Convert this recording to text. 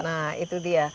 nah itu dia